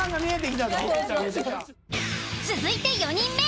［続いて４人目。